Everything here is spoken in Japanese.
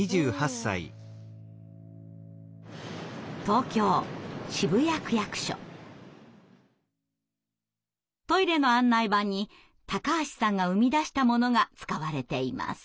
東京トイレの案内板に橋さんが生み出したものが使われています。